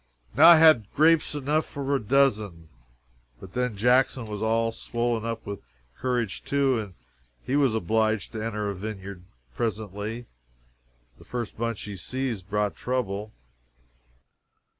Now I had grapes enough for a dozen, but then Jackson was all swollen up with courage, too, and he was obliged to enter a vineyard presently. The first bunch he seized brought trouble.